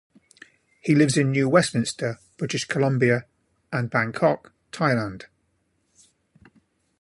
He lives in New Westminster, British Columbia and Bangkok, Thailand.